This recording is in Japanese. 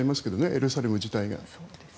エルサレム自体が。